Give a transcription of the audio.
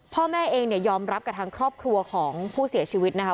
พ่อแม่เองเนี่ยยอมรับกับทางครอบครัวของผู้เสียชีวิตนะคะ